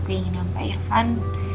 keinginan pak irvan